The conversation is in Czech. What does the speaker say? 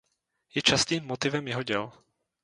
Je častým motivem jeho děl.